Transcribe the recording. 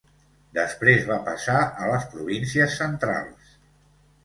Després va passar a les províncies Centrals.